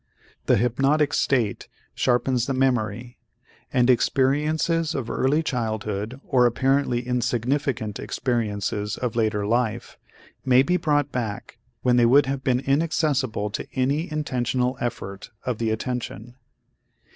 The hypnotic state sharpens the memory and experiences of early childhood or apparently insignificant experiences of later life may be brought back when they would have been inaccessible to any intentional effort of the attention.